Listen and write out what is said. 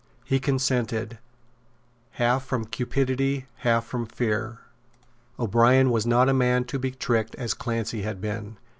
He consented, half from cupidity, half from fear. O'Brien was not a man to be tricked as Clancy had been.